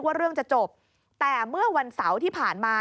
นี่ค่ะคุณผู้ชมพอเราคุยกับเพื่อนบ้านเสร็จแล้วนะน้า